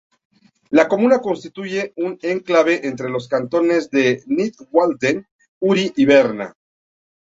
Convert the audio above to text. La comuna constituye un enclave entre los cantones de Nidwalden, Uri y Berna.